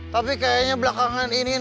tapi kayaknya belakangan ini